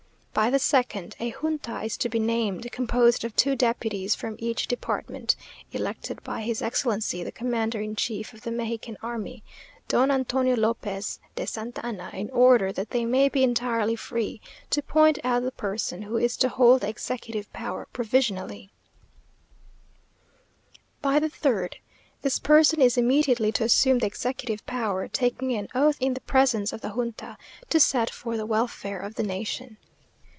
By the second A junta is to be named, composed of two deputies from each department, elected by his Excellency the Commander in Chief of the Mexican army, Don Antonio Lopez de Santa Anna, in order that they may be entirely free to point out the person who is to hold the executive power provisionally. By the third This person is immediately to assume the executive power, taking an oath in the presence of the junta to set for the welfare of the nation.